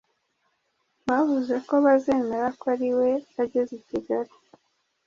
Bavuze ko bazemera ko ariwe ageze I Kigali.